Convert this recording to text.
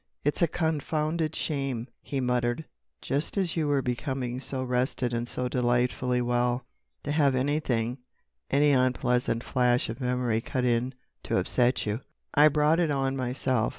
"It's a confounded shame," he muttered, "just as you were becoming so rested and so delightfully well, to have anything—any unpleasant flash of memory cut in to upset you——" "I brought it on myself.